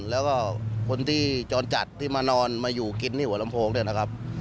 แล้วก็คนที่จรจัดที่มานอนมาอยู่กินที่หัวลำโพงด้วยนะครับ